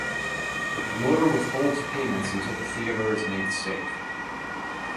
The promoter withholds payments until the theatre is made safe.